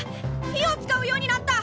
火を使うようになった！